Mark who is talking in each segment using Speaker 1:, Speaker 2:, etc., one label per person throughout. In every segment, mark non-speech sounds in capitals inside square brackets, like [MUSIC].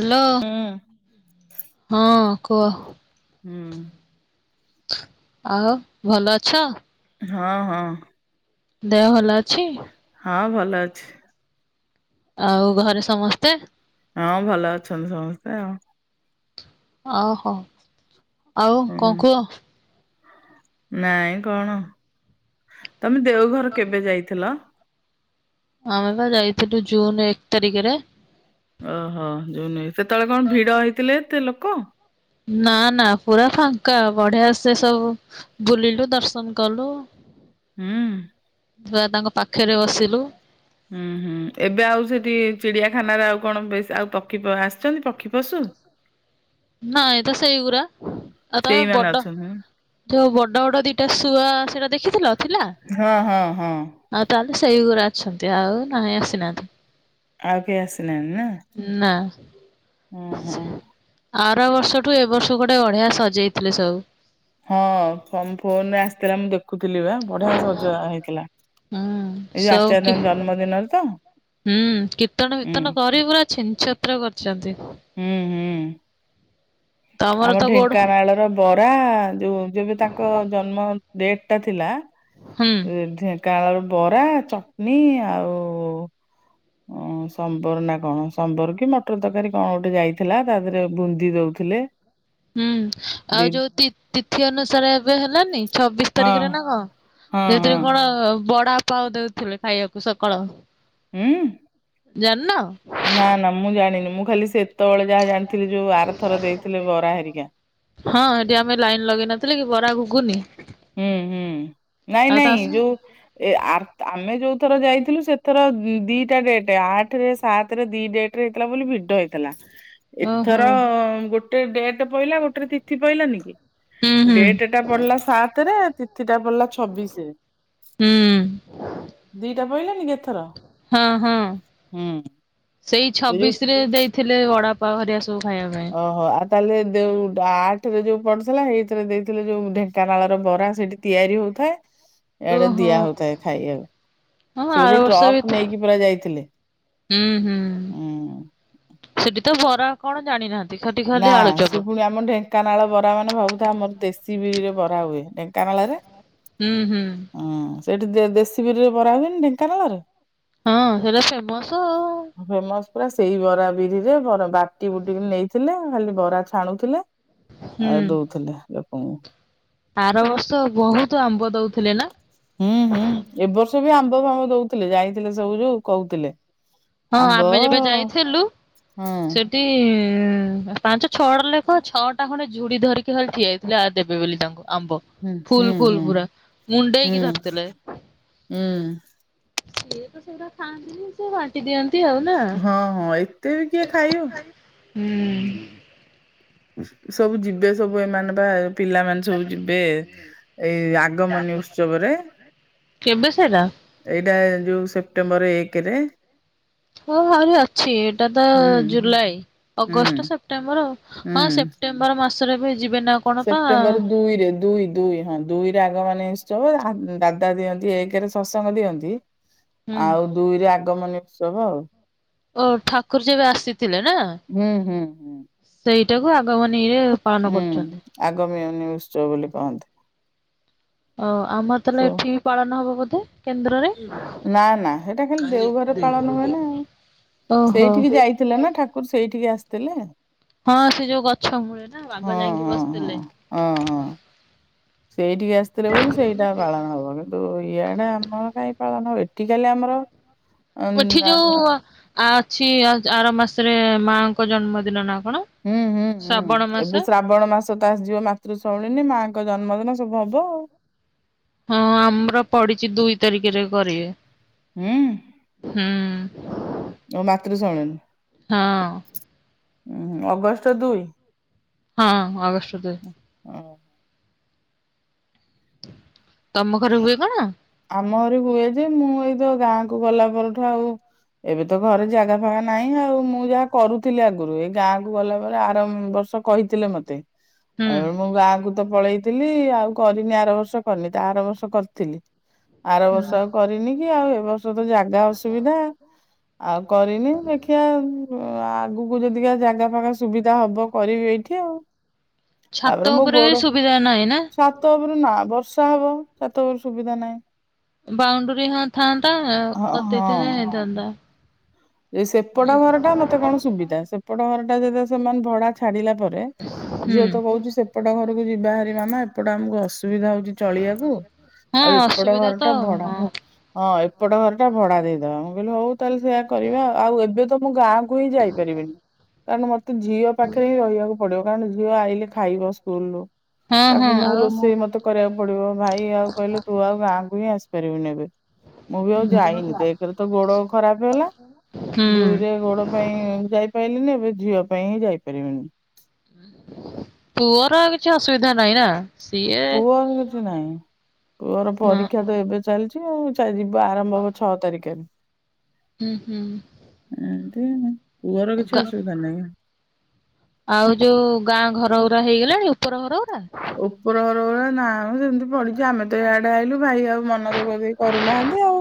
Speaker 1: Hello
Speaker 2: ହୁଁ
Speaker 1: ହଁ କୁହ।
Speaker 2: ହୁଁ।
Speaker 1: ଆଉ ଭଲ ଅଛ?
Speaker 2: ହଁ ହଁ।
Speaker 1: ଦେହ ଭଲ ଅଛି?
Speaker 2: ହଁ ଭଲ ଅଛି।
Speaker 1: ଆଉ ଘରେ ସମସ୍ତେ।
Speaker 2: ହଁ ଭଲ ଅଛନ୍ତି ସମସ୍ତେ ଆଉ।
Speaker 1: ଓ ହୋ ଆଉ
Speaker 2: ହୁଁ
Speaker 1: କଣ କୁହ?
Speaker 2: ନାଇଁ କଣ ତମେ ଦେଓଘର କେବେ ଯାଇଥିଲ?
Speaker 1: ଆମେ ବା ଯାଇଥିଲୁ ଜୁନ ଏକ ତାରିକରେ।
Speaker 2: ଓ ହୋ ଜୁନ୍ ଏ ସେତେବେଳେ କଣ ଭିଡ ହେଇଥିଲେ ଏତେ ଲୋକ?
Speaker 1: ନା ନା ପୁରା ଫାଙ୍କା ବଢିଆ ସେ ସବୁ ବୁଲିଲୁ ଦର୍ଶନ କଲୁ।
Speaker 2: ହୁଁ।
Speaker 1: ଛୁଆ ତାଙ୍କ ପାଖରେ ବସିଲୁ।
Speaker 2: ହୁଁ ହୁଁ ଏବେ ଆଉ ସେଠି ଚିଡିଆଖାନାରେ ଆଉ କଣ ବେଶ ଆଉ ପକ୍ଷୀ ଆସିଛନ୍ତି? ପକ୍ଷୀ ପଶୁ?
Speaker 1: ନାଇଁ ତ ସେଇ ଗୁରା ଆଉ ତୁମେ
Speaker 2: ସେଇମାନେ
Speaker 1: ବଡ୍ଡ
Speaker 2: ଅଛନ୍ତି
Speaker 1: ଯୋଉ ବଡ୍ଡ ବଡ୍ଡ ଦିଟା ଶୁଆ ସେଇଟା ଦେଖିଥିଲ ଥିଲା?
Speaker 2: ହଁ ହଁ ହଁ
Speaker 1: ଆଉ ତାହେଲେ ସେଇ ଗୁରା ଅଛନ୍ତି ଆଉ ନାହିଁ ଆସିନାହାନ୍ତି।
Speaker 2: ଆଉ କେହି ଆସିନାହାନ୍ତି ନା?
Speaker 1: ନାଁ
Speaker 2: ହଁ ହଁ।
Speaker 1: ଆର ବର୍ଷଠୁ ଏ ବର୍ଷ ଗୋଟେ ଅଢିଆ ସଜେଇଥିଲେ ସବୁ।
Speaker 2: ହଁ ଫୋଁ ଫୋନରେ ଆସିଥିଲା ମୁଁ ଦେଖୁଥିଲି ବା। ବଢିଆ ସଜ ହେଇଥିଲା।
Speaker 1: ହୁଁ
Speaker 2: ଏଇ ଯୋଉ
Speaker 1: ସବୁ କି
Speaker 2: ଆଚାର୍ଯ୍ୟଙ୍କ ଜନ୍ମ ଦିନରେ ତ?
Speaker 1: ହୁଁ କୀର୍ତ୍ତନ
Speaker 2: ହୁଁ।
Speaker 1: ବିୀର୍ତନ କରି ପୁରା ଛିନ ଛତ୍ର କରିଛନ୍ତି।
Speaker 2: ହୁଁ ହୁଁ।
Speaker 1: ତମର
Speaker 2: ଆମ
Speaker 1: ତ ଗୋଡ
Speaker 2: ଢେଙ୍କାନାଳର ବରା ଯୋଉ ଯବେ ତାଙ୍କ ଜନ୍ମ ଡେଟ୍ ଟା ଥିଲା।
Speaker 1: ହୁଁ।
Speaker 2: କାଁଳର ବରା ଚଟଣୀ ଆଉ ଓ ସମ୍ବର ନାଁ କଣ ସମ୍ବର କି ମଟର ତରକାରୀ କଣ ଗୋଟେ ଯାଇଥିଲା ତା ଦେହରେ ବୁନ୍ଦି ଦଉ ଥିଲେ।
Speaker 1: ହୁଁ ଆଉ ଯୋଉ ତିଥି ଅନୁସାରେ ଏବେ ହେଲାନି ଛବିଶ୍
Speaker 2: ହଁ
Speaker 1: ତାରିଖରେ ନାଁ କଣ।
Speaker 2: ହଁ ହଁ
Speaker 1: ସେଥିରେ କଣ ବଡାପ୍ ପାଉ ଦଉଥିଲେ ଖାଇବାକୁ ସକାଳ ଜାଣିନ?
Speaker 2: ନାଁ ନାଁ ମୁଁ ଜାଣିନି ମୁଁ ଖାଲି ସେ ଏତେବେଳେ ଯାହା ଜାଣିଥିଲି ଯୋଉ ଆରଥର ଦେଇଥିଲେ ବରା ହେରିକା।
Speaker 1: ହଁ ଏଠି ଆମେ ଲାଇନ୍ ଲଗେଇ ନଥିଲେ କି ବରା ଘୁକୁୁନି।
Speaker 2: ହୁଁ ହୁଁ ନାଇଁ ନାଇଁ ଯୋଉ ଏ ଆମେ ଯୋଉଥର ଯାଇଥିଲୁ ସେଥର ଦିଟା ଡେଟ୍ ଆଠରେ ସାତରେ ଦି ଡେଟ୍। ଟ୍ରିହେଇଥିଲା ବୋଲି ଭିଡ ହେଇଥିଲା।
Speaker 1: ଓହୋ
Speaker 2: ଏଥର ଗୋଟେ ଡେଟ ପହିଲା ଗୋଟେ ତିଥି ପହିଲାନି କି,
Speaker 1: ହୁଁ ହୁଁ
Speaker 2: ଡେଟ ଟା ପଡିଲା ସାତ୍ ରେ ତିଥି ଟା ପଡ଼ିଲା ଛବିଶ୍ ରେ,
Speaker 1: ହୁଁ
Speaker 2: ଦିଟା ପହିଲାନି ଏଥର?
Speaker 1: ହଁ-ହଁ
Speaker 2: ହୁଁ
Speaker 1: ସେଇ
Speaker 2: ଏ ଯୋଉ
Speaker 1: ଛବିଶ୍ ରେ ଦେଇଥିଲେ ବାଡ଼ା ପାବାଘରିଆ ସବୁ ଖାଇବା ପାଇଁ,
Speaker 2: ଓହୋ ଆଉ ତାହେଲେ ଯୋଉ ଆଠ ରେ ଯୋଉ ପଡ଼ିଥିଲା ଏଇଥିରେ ଦେଇଥିଲେ ଯୋଉ ଢ଼େଙ୍କାନାଳ ର ବରା ସେଠି, ତିଆରି ହଉଥାଏ ଏଇଆଡ଼େ
Speaker 1: ଓହୋ।
Speaker 2: ଦିଆ ହଉଥାଏ ଖାଇବାକୁ,
Speaker 1: ହଁ ଆର
Speaker 2: ସେଉଠୁ
Speaker 1: ବର୍ଷ ବି
Speaker 2: ଟ୍ରପ୍
Speaker 1: ତ
Speaker 2: ନେଇକି ପୁରା ଯାଇଥିଲେ
Speaker 1: ହୁଁ ହୁଁ
Speaker 2: ହୁଁ,
Speaker 1: ସେଠି ତ ବରା କଣ ଜାଣିନାହାନ୍ତି, ସେଠି
Speaker 2: ନା
Speaker 1: ଖାଲି ଆଳୁଚପ।
Speaker 2: ସେ ପୁଣି ଆମ ଢେ ଙ୍କାନାଳ ବରା ମାନେ ଭାବୁଥା ଆମର ଦେଶୀ ବିରିରେ ବରା ହୁଏ ଢେଙ୍କାନାଳରେ,
Speaker 1: ହୁଁ-ହୁଁ,
Speaker 2: ହଁ ସେଇଠି ଦେ ଦେଶୀ ବିରିରେ ବରା ହୁଏନି ଢେଙ୍କାନାଳରେ?
Speaker 1: ହଁ ସେଇଟା ଫେମସ ଆଉ,
Speaker 2: ଫେମସ୍ ପୁରା ସେଇ ବରା ବିରିରେ ବରା ବାଟି ବୁଟିକି ନେଇଥିଲେ ଖାଲି ବରା ଛାଣୁଥିଲେ,
Speaker 1: ହୁଁ।
Speaker 2: ଆଉ ଦଉଥିଲେ ଲୋକଙ୍କୁ,
Speaker 1: ଆର ବର୍ଷ ବହୁତ୍ ଆମ୍ବ ଦଉଥିଲେ ନା?
Speaker 2: ହୁଁ-ହୁଁ ଏ ବର୍ଷ ବି ଆମ୍ବ ଫାମ୍ବ ଦଉଥିଲେ ଯାଇଥିଲେ ସବୁ ଯୋଉ କହୁଥିଲେ,
Speaker 1: ହଁ
Speaker 2: ଆମ୍ବ
Speaker 1: ଆମେ ଯେବେ ଯାଇଥିଲୁ
Speaker 2: ହଁ
Speaker 1: ସେଠି, ପାଞ୍ଚ ଛଅଟଡ ଲେଖ ଛଅ ଟା ଖଣ୍ଡେ ଝୁଡି ଧରିକି ଖାଲି ଠିଆ ହେଇଥିଲା ଆ ଦେବେ ବୋଲି ତାଙ୍କୁ ଆମ୍ବ,
Speaker 2: ହୁଁ ହୁଁ
Speaker 1: ଫୁଲ-ଫୁଲ
Speaker 2: ହୁଁ।
Speaker 1: ପୁରା
Speaker 2: ହୁଁ
Speaker 1: ମୁଣ୍ଡେଇକି ଧରିଥିଲେ,
Speaker 2: ହୁଁ
Speaker 1: ସେ ତ ସେଇଟା ଖାନ୍ତିିନ ସେ ବାଟି ଦଅନ୍ତି,
Speaker 2: ହଁ-ହଁ ଏତେ ବି କିଏ ଖାଇବ,
Speaker 1: ହୁଁ,
Speaker 2: ସବୁ ଯିବେ ସବୁ ଏମାନେ ବା ପିଲାମାନେ ସବୁ ଯିବେ। ଏଇ ଆଗମନୀ ଉତ୍ସବରେ
Speaker 1: [UNINTELLIGIBLE] କେବେ ସେଟା?
Speaker 2: ଏଇଟା ଯୋଉ ସେପ୍ଟେମ୍ବର ଏକ୍ ରେ,
Speaker 1: ହଁ ଆଉରି ଅଛି ଏଇଟା ତ
Speaker 2: ହୁଁ
Speaker 1: ଜୁଲାଇ ଅଗଷ୍ଟ
Speaker 2: ହୁଁ
Speaker 1: ସେପ୍ଟେମ୍ବର ଆଉ
Speaker 2: ହୁଁ
Speaker 1: ହଁ ସେପ୍ଟେମ୍ ମ୍ବାର ମାସରେ ଏବେ ଯିବେ ନାଉ,
Speaker 2: ସେପ୍ଟେମ୍ବର ଦୁଇରେ ଦୁଇ-ଦୁଇ ହଁ, ଦୁଇରେ ଆଗ ମାନେ ଉତ୍ସବ ଆଦ୍ ଦାଦା ଦିଅନ୍ତି ଏକରେ ସତ୍ସଙ୍ଗ ଦିଅନ୍ତି,
Speaker 1: ହୁଁ
Speaker 2: ଆଉ ଦୁଇରେ ଆଗମନେ ଉତ୍ସବ ଆଉ, ‌
Speaker 1: ଓ ଠାକୁର ଯେବେ ଆସିଥିଲେ ନାଁ
Speaker 2: ହୁଁ ହୁଁ ହୁଁ
Speaker 1: ସେଇଟାକୁ ଆଗମନେ ଏ?
Speaker 2: ହୁଁ ଆଗମୀନି ଉତ୍ସବ ବୋଲି କହନ୍ତି,
Speaker 1: ଓ ଆମର ତାହେଲେ
Speaker 2: ସୋ
Speaker 1: ଏଠି ବି ପାଳନ ହବ ବୋଧେ? କେନ୍ଦ୍ରରେ
Speaker 2: ନା ନା ସେଇଟା
Speaker 1: ଖାଲି
Speaker 2: ଦେଓଘରେ ପାଳନ
Speaker 1: କେନ୍ଦ୍ରରେ ଓହୋ ଏଇ,
Speaker 2: ଥିଲା ନାଁ ଠାକୁର ସେଇଠିକି ଆସିଥିଲେ,
Speaker 1: ହଁ ସେ ଯୋଉ ଗଛ ମୂଳେ ନା ବାବା ଯାଇକି ବସିଥିଲେ
Speaker 2: ହଁ-ହଁ-ହଁ ଅଁ ହଁ, ସେଇଠିକି ଆସିଥିଲେ ବୋଲି ସେଇଟା ପାଳନ ହବନି, ତୁ ଇଆଡ଼େ ଆମର କାହିଁ ପାଳନ ଏଠିକାଲି ଆମର,
Speaker 1: ଓ
Speaker 2: ଉଁ,
Speaker 1: ଏଠି
Speaker 2: ଆଁ,
Speaker 1: ଯୋଉ ଆଁ ଅଛି ଆର ମାସରେ ମାଙ୍କ ଜନ୍ମଦିନ ନାଁ କଣ?
Speaker 2: ହୁଁ ହୁଁ ହୁଁ
Speaker 1: ଶ୍ରାବଣ
Speaker 2: ଏବେ
Speaker 1: ମାସ?
Speaker 2: ଶ୍ରାବଣ ମାସ ତା ଆ ଯିବ ମାତୃଶରଣିନି ମାଆଙ୍କ ଜନ୍ମଦିନ ସବୁ ହବ ଆଉ,
Speaker 1: ହଁ ଆମର ପଡ଼ିଛି ଦୁଇ ତାରିଖରେ କରିବେ,
Speaker 2: ହୁଁ,
Speaker 1: ହୁଁ,
Speaker 2: ତମ
Speaker 1: ହଁ
Speaker 2: ମାତୃଶମିଳନି ଅଗଷ୍ଟ ଦୁଇ।
Speaker 1: ହଁ ଆଗଷ୍ଟ ଦୁଇ।
Speaker 2: ଓ ହଁ।
Speaker 1: ତମ ଘରେ ହୁଏ କଣ?
Speaker 2: ଆମ ଘରେ ହୁଏ ଯେ ମୁଁ ଏଇ ତ ଗାଁକୁ ଗଲା ପରଠୁ ଆଉ। ଏବେ ତ ଘରେ ଜାଗା ଫାଗା ନାହିଁ ଆଉ ମୁଁ ଯାହା କରୁଥିଲି ଆଗରୁ ଏଇ ଗାଁକୁ ଗଲା ପରେ ଆରମ୍ ବର୍ଷ। କହିଥିଲେ ମତେ।
Speaker 1: ହୁଁ
Speaker 2: ଆଉ ମୁଁ ଗାଁକୁ ତ ପଳେଇଥିଲି ଆଉ କରିନି ଆର ବର୍ଷ କରିନି ତା ଆର ବର୍ଷ। ତ କରିଥିଲି ଆର ବର୍ଷ ଆଉ
Speaker 1: ହୁଁ
Speaker 2: କରିନି କି ଆଉ ଏ ବର୍ଷ ତ ଜାଗା ଅସୁବିଧା। ଆଉ କରିନି ଦେଖିଆ ଆଗକୁ ଯଦି ଜାଗା ଫାଗା ସୁବିଧା ହବ କରିବି ଏଇଠି। କେଉଁ।
Speaker 1: ଛାତ ଉପରେ ବି ସୁବିଧା ନାହିଁ ନାଁ?
Speaker 2: ଛାତ ଉପରୁ ନାଁ ବର୍ଷା ହବ ସାତ ଉପରୁ ସୁବିଧା ନାହିଁ।
Speaker 1: ବାଉଣ୍ଡୁରୀ ହଁ ଥାନ୍ତା
Speaker 2: ହଁ
Speaker 1: କରି ଦେଇଥିନେ ହେଇଥାନ୍ତା।
Speaker 2: ଏଇ ସେପଟ ଘର ଟା ମତେ କଣ ସୁବିଧା ସେପଟ ଘର ଟା ଯଦି ସେମାନେ ଭଡା ଛାଡିଲା ପରେ
Speaker 1: ହୁଁ
Speaker 2: ଝିଅ ତ କହୁଚି ସେପଟ ଘରକୁ ଯିବା ବାହାରି ମାମା ଏପଟା ଆମକୁ ଅସୁ ଆସୁବିଧା ହୋଉଚି ଚଳିବାକୁ
Speaker 1: ହଁ
Speaker 2: ଆଉ ଏପଟ
Speaker 1: ଅସୁବିଧା
Speaker 2: ଘର
Speaker 1: ତ
Speaker 2: ଟା
Speaker 1: ହଁ
Speaker 2: ଭଡା। ହଁ ଏପଟ ଘର ଟା ଭଡା ଦେଇଦବା ମୁଁ କହିଲି ହଉ ତାହେଲେ ସେଇଆ। କରିବା ଆଉ ଏବେ ତ ମୁଁ ଗାଁକୁ ହିଁ ଯାଇପାରିବିନି। କାରଣ ମତେ ଝିଅ ପାଖରେ ହିଁ ରହିବାକୁ ପଡିବ କାରଣ ଝିଅ ଆଇଲେ ଖାଇବ ସ୍କୁଲୁ।
Speaker 1: ହଁ ହଁ
Speaker 2: ତାକୁ ମୁଁ
Speaker 1: ଆଉ
Speaker 2: ରୋଷେଇ ମତେ କରିବାକୁ ପଡିବ ଭାଇ ଆଉ କହିଲେ ତୁ ଆଉ ଗାଁକୁ ହିଁ ଆସିପାରିବୁ ନେହିଁ ଏବେ। ମୁଁ ବି ଆଉ ଯାଇନି ଏକେରେ ତ ଗୋଡ ଖରାପେ ହେଲା।
Speaker 1: ହୁଁ
Speaker 2: ଦୁଇରେ ଗୋଡ ପାଇଁ ଯାଇପାଇଲିନି ଏବେ ଝିଅ ପାଇଁ ହିଁ ଯାଇପାରିବିନାହିଁ
Speaker 1: ପୁଅର ଆଉ କିଛି ଅସୁବିଧା ନାହିଁ ନାଁ?
Speaker 2: ପୁଅର କିଛି ନାହିଁ ପୁଅର
Speaker 1: ହଁ
Speaker 2: ପରୀକ୍ଷା ତ ଏବେ ଚାଲିଚି। ଟିକିଏ ଆଉ ଚା ଯିବା ଆରମ୍ଭ ହୋଉ ଛଅ ତାରିକରେ।
Speaker 1: ହୁଁ ହୁଁ।
Speaker 2: ଏମିତି ପୁଅର କିଛି ଅସୁବିଧା ନାହିଁ।
Speaker 1: ଆଉ ଯୋଉ ଗାଁ ଘର ଗୁରା ହେଇଗଲାଣି ଉପର ଘରଗୁରା?
Speaker 2: ଉପର ଘର ଗୁରା ନା ମ ସେମତି ପଡିିଚି ଆମେ ତେ ୟାଡେ ଆଇଲୁ ଭାଇ ଆଉ ମନଦୁଃଖ କେହି କରୁନାହାନ୍ତି ଆଉ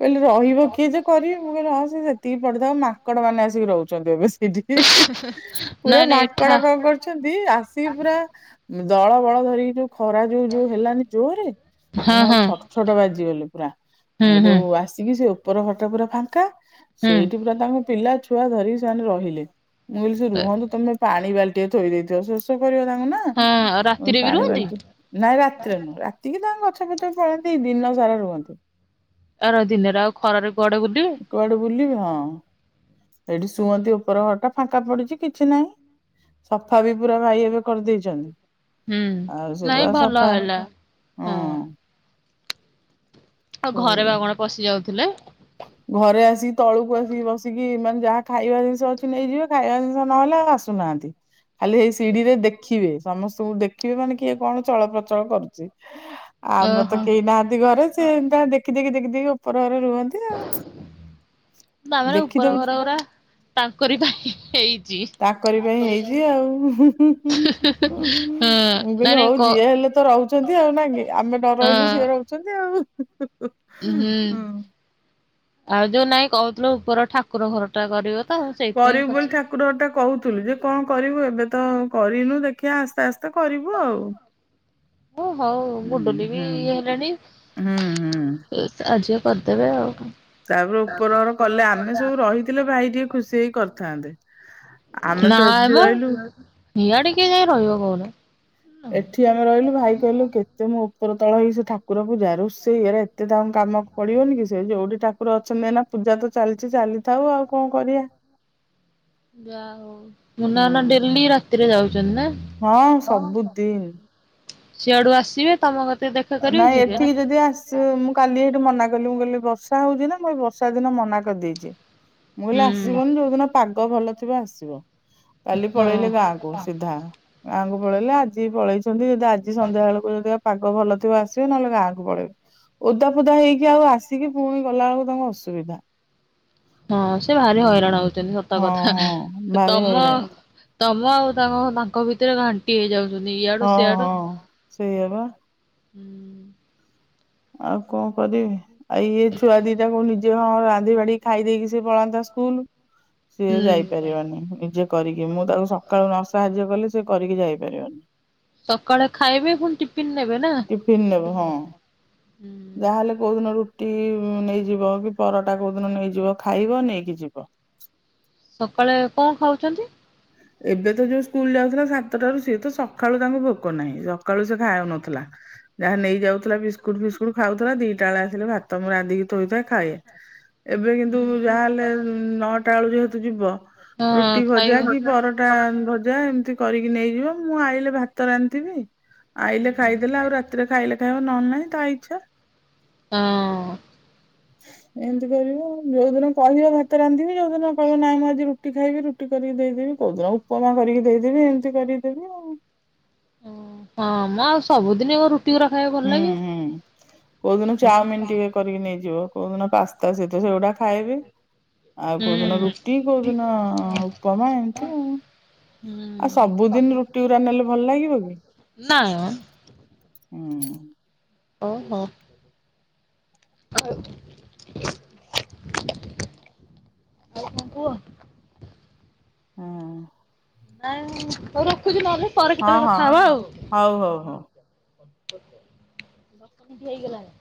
Speaker 2: କହିଲି ରହିବ କିଏ ଯେ କରିମି ମୁଁ କହିଲି ହଁ ସେତିକି ପଡିିଥାଉ ମାଙ୍କଡ ମାନେ ଆସି କି ରହୁଚନ୍ତି ଏବେ। ଇଦି ଇ ଇ ପୁରା
Speaker 1: ନାଇଁ ନାଇଁ
Speaker 2: ମାଙ୍କଡ
Speaker 1: ଏଠା
Speaker 2: କଣ କରୁଛନ୍ତି ଆସିକି ପୁରା। ଦଳ ବଳ ଧରିକି ଯୋଉ ଖରା ଯୋଉ ଯୋଉ ହେଲାନି ଜୋରରେ।
Speaker 1: ହଁ
Speaker 2: ମାନେ ଆଉ
Speaker 1: ହଁ
Speaker 2: ଛଟ୍ ଛଟ୍ ବାଜିଗଲେ ପୁରା,
Speaker 1: ହୁଁ
Speaker 2: ହେଟୁ
Speaker 1: ହୁଁ
Speaker 2: ଆସିକି ସେ, ଓ ଉପର ଘରଟା ପୁରା ଫାଙ୍କା,
Speaker 1: ହୁଁ।
Speaker 2: ସେଇଟି ପୁରା ତାଙ୍କ ପିଲା ଛୁଆ ଧରିକି ସେମାନେ ରହିଲେ। ମୁଁ କହିଲି ସେ
Speaker 1: ଏ
Speaker 2: ରୁହନ୍ତୁ, ତମେ ପାଣି ବାଲ୍ଟିଏ ଥୋଇ ଦେଇଥିବ, ସୋଷ କରିବ ତାଙ୍କୁ ନାଁ।
Speaker 1: ହଁ। ରାତିରେ ବି
Speaker 2: ପାଣି
Speaker 1: ରୁହନ୍ତି?
Speaker 2: ବାଲ୍ଟି, ନାଇଁ ରାତିରେ ନୁହଁ, ରାତିକି ତାଙ୍କ ଗଛ ଫଛ ପଳନ୍ତି ଦିନ ସାରା ରୁହନ୍ତି।
Speaker 1: ଏରା ଦିନରେ ଆଉ ଖରାରେ କୁଆଡ଼େ ବୁଲିବେ।
Speaker 2: କୁଆଡ଼େ ବୁଲିବେ ହଁ, ଏଠି ଶୁଅନ୍ତି ଉପର ଘରଟା ଫାଙ୍କା ପଡ଼ିଚି କିଛି ନାହିଁ। ସଫା ବି ପୁରା ଭାଇ ଏବେ କରି ଦେଇଚନ୍ତି।
Speaker 1: ହୁଁ, ନାଇଁ ଭଲ ହେଲା,
Speaker 2: ହୁଁ
Speaker 1: ହଁ। ଆଉ ଘରେ ବା
Speaker 2: ସେଇଆ।
Speaker 1: କଣ ପଶି ଯାଉଥିଲେ?
Speaker 2: ଘରେ ଆସିକି ତଳକୁ ଆସିକି ବସିକି, ମାନେ ଯାହା ଖାଇବା ଜିନିଷ ଅଛି ନେଇଯିବେ। ଖାଇବା ଜିନିଷ ନହେଲା ଆଉ, ଆ ତୁ ବାନ୍ଧେ। ଖାଲି ଏଇ ସିଡ଼ିରେ ଦେଖିବେ, ସମସ୍ତଙ୍କୁ ଦେଖିବେ ମାନେ କିଏ କଣ ଚଳପ୍ରଚଳ କରୁଚି। ଆଉ ଆମର ତ
Speaker 1: ଓହୋ
Speaker 2: କେହି ନାହାଁନ୍ତି ଘରେ, ସେ ତା ଦେଖି ଦେଖି, ଦେଖି ଦେଖି, ଉପର ଘରେ ରୁହନ୍ତି ଆଉ।
Speaker 1: ତା ମାନ ଉପର
Speaker 2: ଦେଖିଦବୁ
Speaker 1: ଘର ଗୁରା, ତାଙ୍କରି ପାଇଁ ହେଇଚି।
Speaker 2: ତାଙ୍କରି ପାଇଁ ହେଇଛି ଆଉ। ମୁଁ
Speaker 1: ହଁ ନାଇଁ
Speaker 2: କହିଲି
Speaker 1: ନାଇଁ
Speaker 2: ହଉ
Speaker 1: କ
Speaker 2: ଯିଏ ହେଲେ ତ ରହୁ ଛନ୍ତି ଆଉ ନାଁ କି? ଆମେ ନରହିଲୁ ସିଏ
Speaker 1: ହଁ
Speaker 2: ରହୁଛନ୍ତି ଆଉ।
Speaker 1: ହୁଁ, ଆଉ ଯୋଉ ନାଇଁ କହୁଥିଲୁ ଉପର ଠାକୁର ଘର ଟା କରିବ? ତ ସେଇଥିପାଇଁ
Speaker 2: କରିବୁ
Speaker 1: ପଚା
Speaker 2: ବୋଲି ଠାକୁର ଟା କହୁଥିଲୁ, ଯେ କଣ କରିବୁ ଏବେ ତ କରିନୁ ଦେଖିବା ଆସ୍ତେ ଆସ୍ତେ। ତ କରିବୁ ଆଉ।
Speaker 1: ଓ ହଉ
Speaker 2: ହୁଁ
Speaker 1: ଗୁଡୁଲି ବି
Speaker 2: ହୁଁ
Speaker 1: ଇଏ ହେଲାଣି।
Speaker 2: ହୁଁ ହୁଁ।
Speaker 1: ଅଜୟ କରିଦେବେ ଆଉ କଣ।
Speaker 2: ତାପରେ ଉପର ଘର କଲେ, ଆମେ ସବୁ ରହିଥିଲେ ଭାଇ ଟିକେ ଖୁସି ହେଇ କରିଥାନ୍ତେ। ଆମେ ତ
Speaker 1: ନାଇଁ
Speaker 2: ଏଠି
Speaker 1: ମ,
Speaker 2: ରହିଲୁ।
Speaker 1: ହିଆଡ଼େ କିଏ ଯାଇ ରହିବ କହୁନ?
Speaker 2: ଏଠି ଆମେ ରହିଲୁ, ଭାଇ କହିଲୁ କେ ସେ ମୁଁ ଉପର ତଳ ହେଇ, ସେ ଠାକୁର ପୂଯା ରୋଷେଇ, ଏରା ଏତେ ଦାଉଁ କାମ ପଡ଼ିବନି କି? ସେ ଯୋଉଠି ଠାକୁ ଠାକୁର ଅଛନ୍ତି ଏନା, ପୂଜା ତ ଚାଲିଚି ଚାଲିଥାଉ ଆଉ କଣ କରିଆ।
Speaker 1: ଯା ହଉ, ମୁନା ନା ଡେଲି ରାତିରେ ଯାଉଛନ୍ତି ନାଁ?
Speaker 2: ହଁ ସବୁଦିନ୍।
Speaker 1: ସିଆଡ଼ୁ ଆସିବେ, ତମ କତିରେ ଦେ
Speaker 2: ନାଇଁ ଏଠିକି ଯଦି ଆସ୍‌ ସେ ମୁଁ କାଲି ଏଇଠୁ ମନା କଲିି, ମୁଁ କହିଲି ବର୍ଷା ହଉଛି ନାଁ, ମୁଁ ଏଇ ବର୍ଷା ଦିନ ମନା କରିଦେଇଛି। ମୁଁ
Speaker 1: ହୁଁ।
Speaker 2: କହିଲି ଆସିବନି, ଯୋଉଦିନ ପାଗ ଭଲ ଥିବ ଆସିବ। କାଲି
Speaker 1: ହଁ
Speaker 2: ପଳେଇଲେ ଗାଁ କୁ ସିଧା। ଗାଁ କୁ ପଳେଇଲେ ଆଜି ଜି ପଳେଇଛନ୍ତି, ଯଦି ଆଜି ସନ୍ଧ୍ୟା ବେଳକୁ ଯଦିଆ ପାଗ ଭଲ ଆସିବେ ନହେଲେ ଗାଁକୁ ପଳେଇବେ। ଓଦା ଫୋଦା ହେଇକି ଆଉ ଆସିକି ପୁଣି ଗଲା ବେଳକୁ ତାଙ୍କୁ ଅସୁବିଧା।
Speaker 1: ହଁ, ସେ ଭାରି
Speaker 2: ହୁଁ
Speaker 1: ହଇରାଣ ହଉଛନ୍ତି ସତ
Speaker 2: ହଁ
Speaker 1: କଥା।
Speaker 2: ହଁ ଭାରି
Speaker 1: ତମ
Speaker 2: ହଇରାଣ
Speaker 1: ତମ ଆଉ ତାଙ୍କ ତାଙ୍କ ଭିତରେ ଘା ଣ୍ଟି ଯାଉଛନ୍ତି ୟା
Speaker 2: ହଁ ହଁ ସେଇଆ ବା।
Speaker 1: ହୁଁ
Speaker 2: ଆଉ କଅଁ କରିବି? ଆଉ ଇଏ ଛୁଆ ଦିଟା କୋଉ ନିଜେ ହଁ ରାନ୍ଧି ବାଢ଼ି ଖାଇ ଦେଇେକି ସେ ପଳାନ୍ତା ସ୍କୁଲ୍। ସିଏ
Speaker 1: ହୁଁ।
Speaker 2: ଯାଇ ପାରିବାନି, ନିଜେ କରିକି ମୁଁ ତାକୁ ସକାଳୁ ନ ସାହାଯ୍ୟ କଲେ, ସେ କରିକି ଯାଇ ପାରିବନି।
Speaker 1: ସକାଳେ ଖାଇବେ, ପୁଣି ଟିଫିନ୍ ନେବେ ନାଁ?
Speaker 2: ଟିଫିନ ନେବ ହଁ। ଯାହାହେଲେ କୋଉଦିନ ରୁଟି ନେଇଯିବ, କି ପରଟା କୋଉଦିନ ନେଇଯିବ, ଖାଇବ ନେଇକି ଯିବ।
Speaker 1: ସକାଳେ କଅଁ ଖାଉଚନ୍ତି?
Speaker 2: ଏବେ ତ ଯୋଉ ସ୍କୁଲ୍ ଯାଉଥିଲା ସାତଟାରୁ, ସିଏ ତ ସକାଳୁ ତାଙ୍କୁ ଭୋକ ନାହିଁ, ସକାଳୁ ସେ ଖାଉନଥିଲା। ଯାହା ନେଇଯାଉଥିଲା ବିସ୍କୁଟ ଫିସ୍କୁଟ ଖାଉଥିଲା, ଦିଟା ବେଳେ ଆସିଲେ ଭାତ ମୁଁ ରାନ୍ଧିକି ଥୋଇଥାଏ ଖାଏ। ଏବେ କିନ୍ତୁ ଯାହାହେଲେ ନଅଟା ବେଳୁ ଯେହେତୁ ଯିବ, ରୁଟି
Speaker 1: ହଁ ଖାଇ
Speaker 2: ଭଜା
Speaker 1: ହଁ
Speaker 2: କି ପରଟା ଭଜା ଏମିତି କରିକି ନେଇଯିବ ମୁଁ ଆଇଲେ ଭାତ ରାନ୍ଧଥିବି ଆଇଲେ ଖାଇଦେଲେ ଆଉ ରାତିରେ ଖାଇଲେ ଖାଇବା ନହେଲେହିଁ ତା ଇଚ୍ଛା।
Speaker 1: ହଁ।
Speaker 2: ଏମିତି କରିବ ଯୋଉ ଦିନ କହିବ ଭାତ ରାନ୍ଧିବି ଯୋଉ ଦିନ କହିବ ନାଇଁ ମୁଁ ଆଜି ରୁ ରୁଟି ଖାଇବି ରୁଟି କରିକି ଦେଇଦେବି କୋଉଦିନ ଉପମା କରିକି ଦେଇଦେବି ଏମିତି କରିଦେବି ଆଉ।
Speaker 1: ହଁ ମ ଆଉ ସବୁଦିନ କଅଁ ରୁ ରୁଟି ଉରା ଖାଇବାକୁ ଭଲ
Speaker 2: ହୁଁ କୋଉଦିନ
Speaker 1: ଲାଗିବ।
Speaker 2: ଚାଉମିିନ ଟିକେ କରିକି ନେଇଯିବ କୋ ଦିନ ପାସ୍ତା ସହିତ ସେଗୁଡା ଖାଇବି। ଆଉ
Speaker 1: ହୁଁ
Speaker 2: କୋଉଦିନ ରୁଟି କୋଉଦିନ ଉପମା ଏମିତି ଆଉ।
Speaker 1: ହୁଁ
Speaker 2: ଆଉ ସବୁଦିନ ରୁଟି ଗୁରା ନେଲେ ଭଲ ଲାଗିବ କି?
Speaker 1: ନାଇଁ ମ।
Speaker 2: ହୁଁ।
Speaker 1: ଓହୋ ଆଉ। [UNINTELLIGIBLE] ଆଉ କଣ କୁହ?
Speaker 2: ହୁଁ।
Speaker 1: ନାଇଁ ହଉ ରଖୁଛି ନହେଲେ ପରେ କେତେବେଳେ
Speaker 2: ହଁ
Speaker 1: କଥା ହବା ଆଉ।
Speaker 2: ହଉ ହଉ ହଉ।
Speaker 1: ଦଶ ମିନିଟ୍ ହେଇଗଲାଣି।